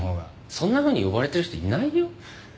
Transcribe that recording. そんなふうに呼ばれてる人いないよ。